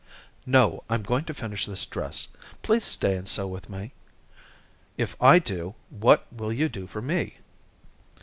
"No, I'm going to finish this dress. Please stay and sew with me." "If I do, what will you do for me?"